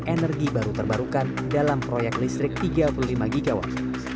energi baru terbarukan dalam proyek listrik tiga puluh lima gw